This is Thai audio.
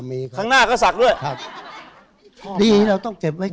ที่เราต้องเจ็บไว้ค่อย